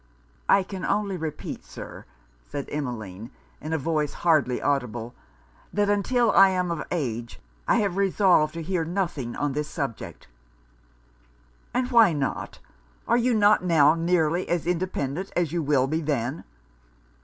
'I can only repeat, Sir,' said Emmeline, in a voice hardly audible, 'that until I am of age, I have resolved to hear nothing on this subject.' 'And why not? Are you not now nearly as independant as you will be then?'